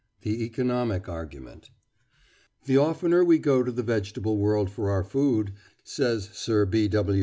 THE ECONOMIC ARGUMENT "The oftener we go to the vegetable world for our food," says Sir B. W.